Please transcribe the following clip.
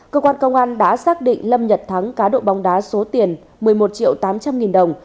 cơ quan công an đã xác định lâm nhật thắng cá độ bóng đá số tiền một mươi một triệu tám trăm linh nghìn đồng